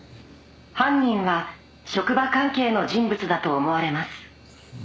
「犯人は職場関係の人物だと思われます」